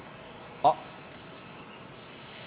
あっ。